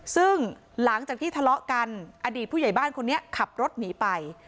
ซึ่งหลังจากที่ทะเลาะกันอดีตผู้ใหญ่บ้านคนนี้ขับรถหนีไป